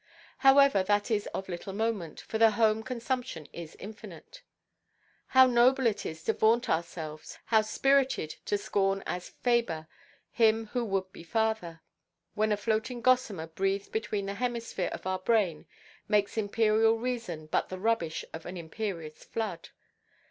However, that is of little moment, for the home consumption is infinite. How noble it is to vaunt ourselves, how spirited to scorn as faber Him who would be father; when a floating gossamer breathed between the hemispheres of our brain makes imperial reason but the rubbish of an imperious flood.